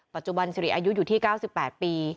ปัจจุบันสิริอายุอยู่ที่๙๘ปี